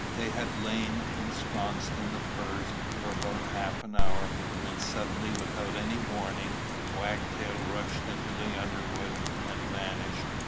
They had lain ensconced in the firs for about half an hour, when suddenly, without any warning, Wagtail rushed into the underwood and vanished.